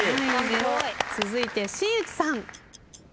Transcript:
続いて新内さん。